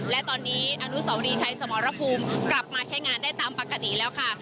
และตอนนี้อนุสาวรีชัยสมรภูมิกลับมาใช้งานได้ตามปกติแล้วค่ะ